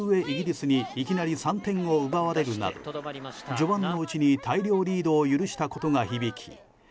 イギリスにいきなり３点を奪われるなど序盤のうちに大量リードを許したことが響き